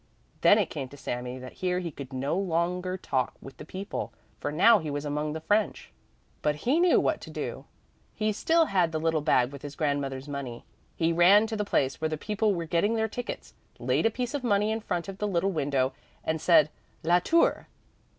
Then it came to Sami that here he could no longer talk with the people, for now he was among the French. But he knew what to do. He still had the little bag with his grandmother's money. He ran to the place where the people were getting their tickets, laid a piece of money in front of the little window, and said: "La Tour!"